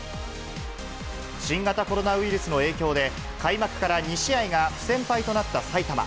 新型コロナウイルスの影響で、開幕から２試合が不戦敗となった埼玉。